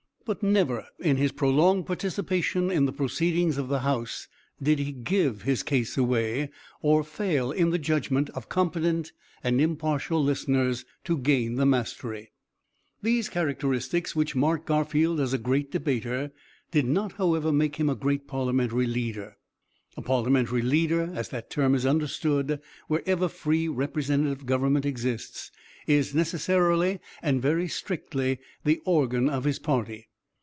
But never in his prolonged participation in the proceedings of the House did he give his case away, or fail in the judgment of competent and impartial listeners to gain the mastery. "These characteristics, which marked Garfield as a great debater, did not, however, make him a great parliamentary leader. A parliamentary leader, as that term is understood wherever free representative government exists, is necessarily and very strictly the organ of his party.